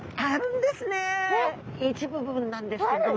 一部分なんですけれども。